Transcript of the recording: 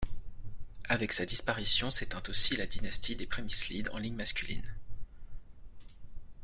Avec sa disparition s’éteint aussi la dynastie des Přemyslides en ligne masculine.